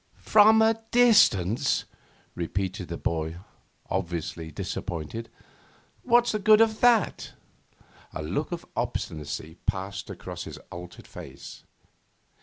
'From a distance!' repeated the boy, obviously disappointed. 'What's the good of that?' A look of obstinacy passed across his altered face.